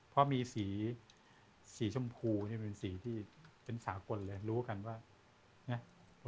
เพราะมีสีชมพูนี่เป็นสีที่เป็นสากลเลยรู้กันว่านะ